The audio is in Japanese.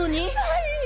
はい！